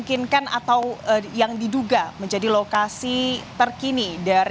itu membuat sketsa wajah